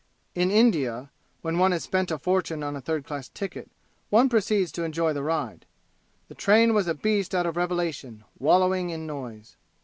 (In India, when one has spent a fortune on a third class ticket, one proceeds to enjoy the ride.) The train was a Beast out of Revelation, wallowing in noise.